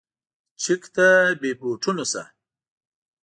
چک ته بې بوټونو شه.